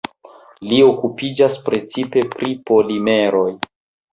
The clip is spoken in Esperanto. Li okupiĝas precipe pri polimeroj.